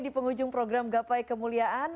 di penghujung program gapai kemuliaan